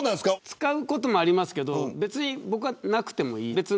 使うこともありますけど僕はなくてもいい。